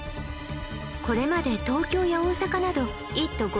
これまで東京や大阪など１都５